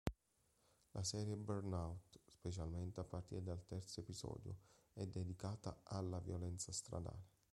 La serie Burnout, specialmente a partire dal terzo episodio, è dedicata alla violenza stradale.